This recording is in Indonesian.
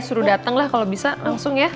suruh datang lah kalau bisa langsung ya